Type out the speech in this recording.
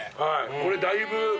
これだいぶ。